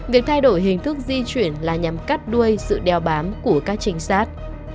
việc thay đổi hình thức di chuyển là nhằm cắt đuôi sự đeo bám của các trinh sát